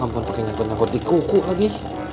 ampun pake nyakot nyakot di kuku lagi